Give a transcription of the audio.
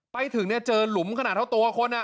ไปถึงเนี่ยเจอหลุมขนาดเท่าตัวคน